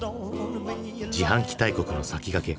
自販機大国の先駆け。